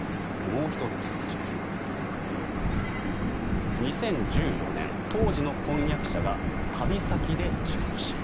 もう１つ、２０１４年当時の婚約者が旅先で事故死。